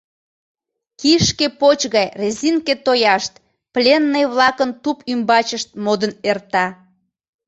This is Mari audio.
Кишке поч гай резинке тояшт пленный-влакын туп ӱмбачышт модын эрта.